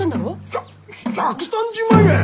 ひゃ１３０万円！？